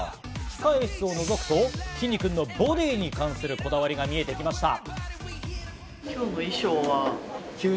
控え室をのぞくと、きんに君のボディに関するこだわりが見えてきました。